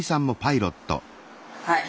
はい。